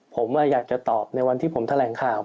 ผมอยากจะตอบในวันที่ผมแถลงข่าว